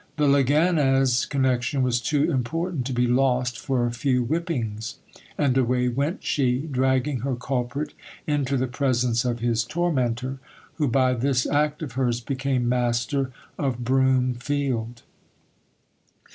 The Leganez connection was too important to be lost for a few whippings ; and away went she, dragging her culprit into the presence HIS TOR Y OF DON RAPHAEL. 1 69 of his tormentor, who by this act of hers became master of broom field.